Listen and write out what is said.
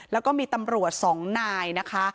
แล้วก็มีตำรวจ๒นายนะคะ